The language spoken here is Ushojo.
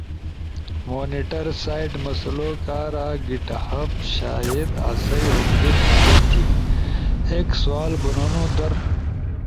مونیٹر سائیڈ مسلؤ کارا گیٹ ہب شاید آسئی ہوم پیج مدد تھی؟ ایک سوال بنونو در،